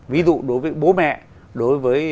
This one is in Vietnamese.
ví dụ đối với bố mẹ đối với